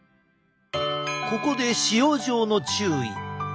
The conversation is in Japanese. ここで使用上の注意！